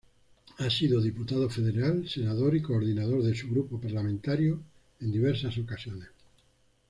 Ha sido diputado federal, senador y coordinador de su grupo parlamentario en diversas ocasiones.